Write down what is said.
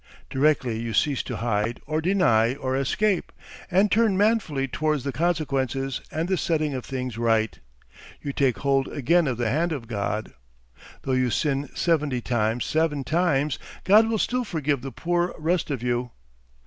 Directly you cease to hide or deny or escape, and turn manfully towards the consequences and the setting of things right, you take hold again of the hand of God. Though you sin seventy times seven times, God will still forgive the poor rest of you.